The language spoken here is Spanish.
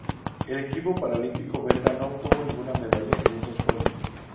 El equipo paralímpico belga no obtuvo ninguna medalla en estos Juegos.